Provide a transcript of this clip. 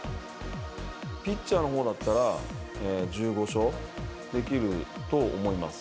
ピッチャーのほうだったら、１５勝できると思います。